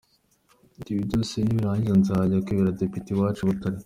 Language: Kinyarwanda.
Ati ibi byose nibirangira nzajya kwibera député iwacu i Butare.